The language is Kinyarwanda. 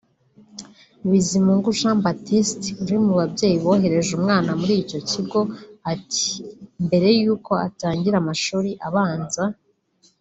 Bizimungu Jean Baptiste uri mu babyeyi bohereje umwana muri icyo kigo ati “mbere y’uko atangira amashuri abanza